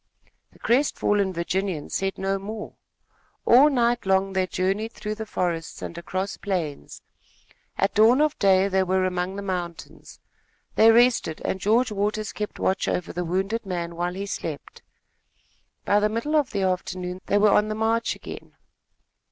The crestfallen Virginian said no more. All night long they journeyed through the forests and across plains. At dawn of day they were among the mountains. They rested and George Waters kept watch over the wounded man while he slept. By the middle of the afternoon, they were on the march again.